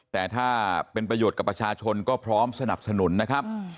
แต่ถ้าเป็นประโยชน์กับประชาชนก็พร้อมสนับสนุนนะครับ